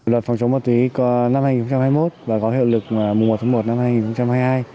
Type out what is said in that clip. luật phòng chống ma túy năm hai nghìn hai mươi một và có hiệu lực mùa một tháng một năm hai nghìn hai mươi hai